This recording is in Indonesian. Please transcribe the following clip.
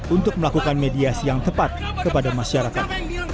untuk melakukan mediasi yang tepat kepada masyarakat